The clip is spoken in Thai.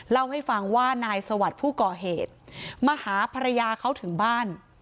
เล่าให้ฟังว่านายสวัสดิ์ผู้ก่อเหตุมาหาภรรยาเขาถึงบ้าน